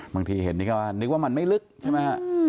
บางทีเห็นนี่ก็นึกว่ามันไม่ลึกใช่ไหมฮะ